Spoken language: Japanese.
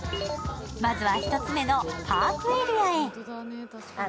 まずは１つ目のパークエリアへ。